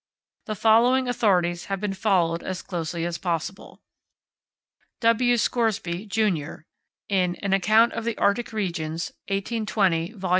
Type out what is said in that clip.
The following authorities have been followed as closely as possible: W. Scoresby, Jun., "An Account of the Arctic Regions," 1820, vol.